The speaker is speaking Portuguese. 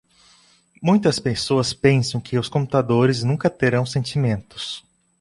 Muitas pessoas pensam que os computadores nunca terão sentimentos.